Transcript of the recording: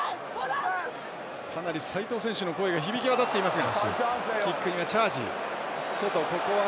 かなり齋藤選手の声が響き渡っていますが。